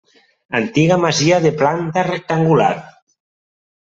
Antiga masia de planta rectangular.